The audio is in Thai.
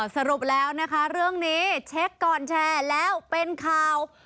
สรุปแล้วนะคะเรื่องนี้เช็คก่อนแชร์แล้วเป็นข่าว